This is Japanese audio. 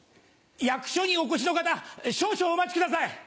役所にお越しの方少々お待ちください。